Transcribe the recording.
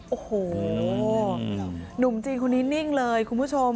โอ้โหหนุ่มจีนคนนี้นิ่งเลยคุณผู้ชม